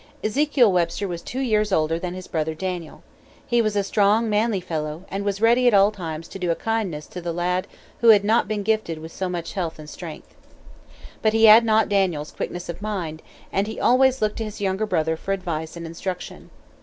Ezekiel Webster was two years older than his brother Daniel. He was a strong, manly fellow, and was ready at all times to do a kindness to the lad who had not been gifted with so much health and strength. But he had not Daniel's quickness of mind, and he always looked to his younger brother for advice and instruction.